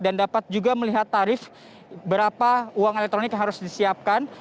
dan dapat juga melihat tarif berapa uang elektronik yang harus disiapkan